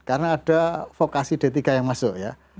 karena ada vokasi d tiga yang masuk ya